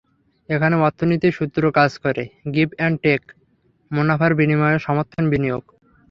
এখানে অর্থনীতির সূত্র কাজ করে, গিভ অ্যান্ড টেক, মুনাফার বিনিময়ে সমর্থন বিনিয়োগ।